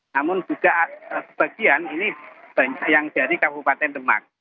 namun juga sebagian ini banyak yang dari kabupaten demak